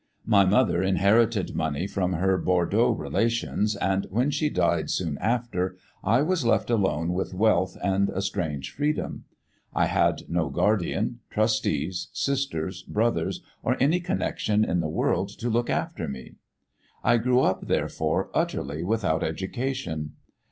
My mother inherited money from her Bordeaux relations, and when she died soon after, I was left alone with wealth and a strange freedom. I had no guardian, trustees, sisters, brothers, or any connection in the world to look after me. I grew up, therefore, utterly without education.